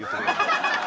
ハハハハ！